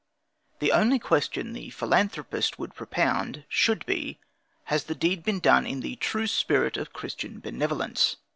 The only question the philanthropist would propound, should be, has the deed been done in the true spirit of Christian benevolence?